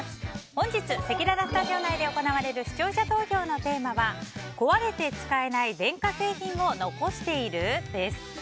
本日せきららスタジオ内で行われる視聴者投票のテーマは壊れて使えない電化製品を残している？です。